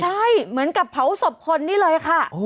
ใช่เหมือนกับเผาศพคนนี่เลยค่ะ